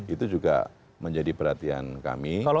itu juga menjadi perhatian kami